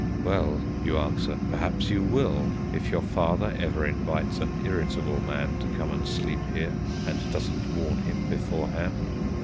"Well," you answer, "perhaps you will, if your father ever invites an irritable man to come and sleep here, and doesn't warn him beforehand."